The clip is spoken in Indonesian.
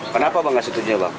kenapa pak nggak setuju pak